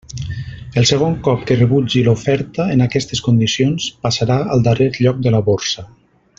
El segon cop que rebutgi l'oferta en aquestes condicions passarà al darrer lloc de la borsa.